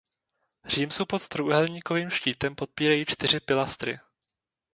Římsu pod trojúhelníkovým štítem podpírají čtyři pilastry.